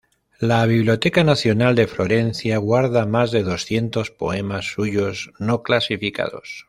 La Biblioteca Nacional de Florencia guarda más de doscientos poemas suyos no clasificados.